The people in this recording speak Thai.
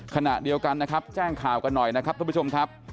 ขณะเดียวกันนะครับแจ้งข่าวกันหน่อยนะครับทุกผู้ชมครับ